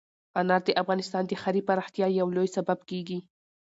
انار د افغانستان د ښاري پراختیا یو لوی سبب کېږي.